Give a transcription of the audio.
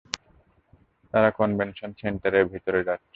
তারা কনভেনশন সেন্টারের ভেতরে যাচ্ছে।